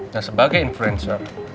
dan sebagai influencer